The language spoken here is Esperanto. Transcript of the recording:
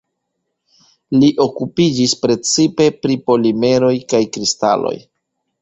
Li okupiĝis precipe pri polimeroj kaj kristaloj.